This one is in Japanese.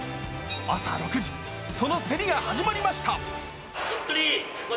朝６時、その競りが始まりました。